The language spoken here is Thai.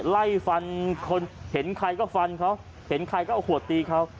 ไล่ฟันคนเห็นใครก็ฟันเขาเห็นใครก็เอาขวดตีเขา